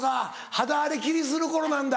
肌荒れ気にする頃なんだ？